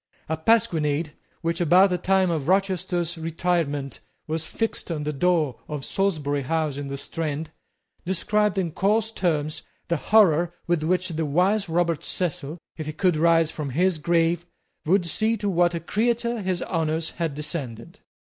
A pasquinade, which, about the time of Rochester's retirement, was fixed on the door of Salisbury House in the Strand, described in coarse terms the horror with which the wise Robert Cecil, if he could rise from his grave, would see to what a creature his honours had descended.